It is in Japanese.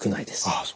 ああ